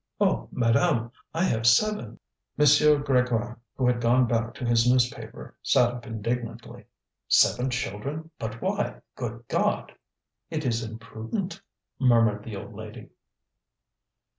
"Oh, madame! I have seven." M. Grégoire, who had gone back to his newspaper, sat up indignantly. "Seven children! But why? good God!" "It is imprudent," murmured the old lady.